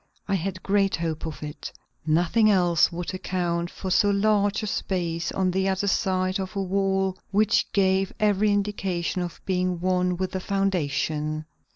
I had great hope of it. Nothing else would account for so large a space on the other side of a wall which gave every indication of being one with the foundation.